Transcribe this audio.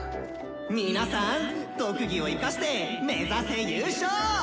「皆さん特技を生かして目指せ優勝！」。